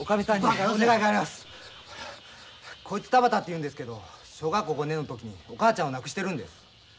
こいつ田畑っていうんですけど小学校５年の時にお母ちゃんを亡くしてるんです。